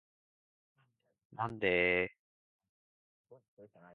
なんでーーー